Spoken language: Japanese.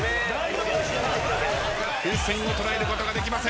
風船を捉えることができません。